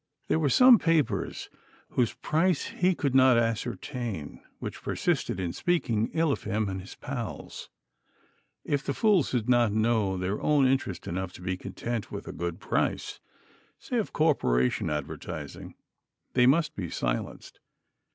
There were some papers, whose price he could not ascertain, which persisted in speaking ill of him and his pals. If the fools did not know their own interest enough to be content with a good price say, of corporation advertising they must be silenced.